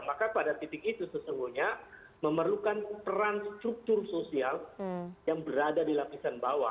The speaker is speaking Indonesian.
maka pada titik itu sesungguhnya memerlukan peran struktur sosial yang berada di lapisan bawah